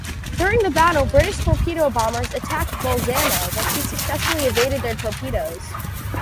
During the battle, British torpedo bombers attacked "Bolzano" but she successfully evaded their torpedoes.